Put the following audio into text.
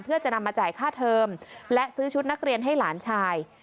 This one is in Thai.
เพื่อจะนำมาจ่ายค่าเทอมและซื้อชุดนักเรียนให้หลานชาย